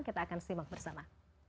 kita akan simak bersama